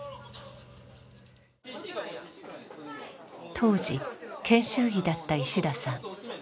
当時研修医だった石田さん。